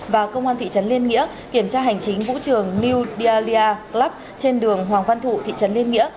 và công an thị trấn liên nghĩa kiểm tra hành chính vũ trường new delhia club trên đường hoàng văn thụ thị trấn liên nghĩa